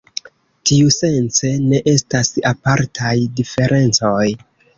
Tiusence, ne estas apartaj diferencoj.